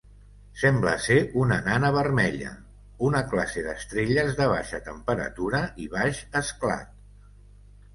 Sembla ser una nana vermella, una classe d'estrelles de baixa temperatura i baix esclat.